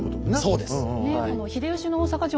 そうです。